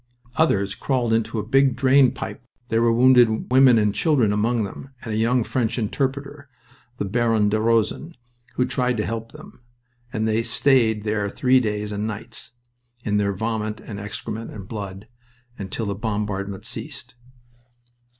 Others crawled into a big drain pipe there were wounded women and children among them, and a young French interpreter, the Baron de Rosen, who tried to help them and they stayed there three days and nights, in their vomit and excrement and blood, until the bombardment ceased.